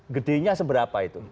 gedenya seberapa itu